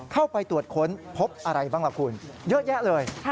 เข้าไปตรวจค้นพบอะไรบ้างล่ะคุณเยอะแยะเลย